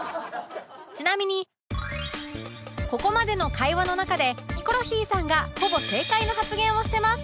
ちなみにここまでの会話の中でヒコロヒーさんがほぼ正解の発言をしてます